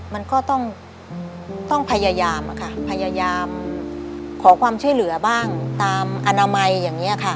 มันก็ต้องพยายามอะค่ะพยายามขอความช่วยเหลือบ้างตามอนามัยอย่างนี้ค่ะ